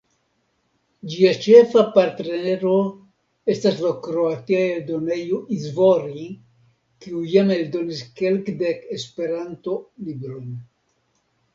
Ĝia ĉefa partnero estas la kroatia eldonejo Izvori, kiu jam eldonis kelkdek Esperanto-librojn.